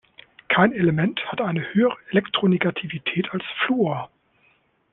Kein Element hat eine höhere Elektronegativität als Fluor.